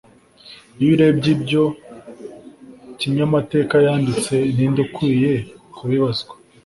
iyo urebye ibyo kinyamatekayanditse, ninde ukwiye kubibazwa